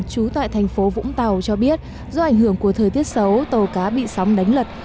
trú tại thành phố vũng tàu cho biết do ảnh hưởng của thời tiết xấu tàu cá bị sóng đánh lật